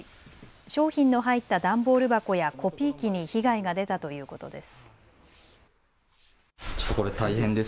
商品の入った段ボール箱やコピー機に被害が出たということです。